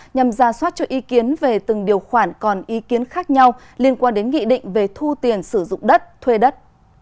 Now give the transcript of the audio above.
nhằm ra soát cho ý kiến về từng điều khoản còn ý kiến khác nhau liên quan đến nghị định về thu tiền sử dụng đất thuê đất